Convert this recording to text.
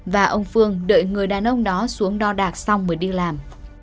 và ông phương đợi người đàn ông đó xuống đo đạc xong mới đi làm